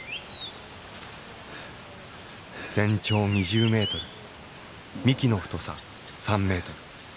全長２０メートル幹の太さ３メートル。